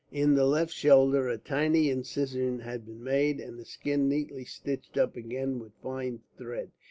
In the left shoulder a tiny incision had been made and the skin neatly stitched up again with fine thread.